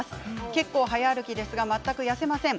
結構、早歩きですが全く痩せません。